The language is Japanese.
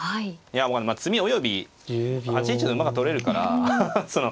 いや詰みおよび８一の馬が取れるからハハハ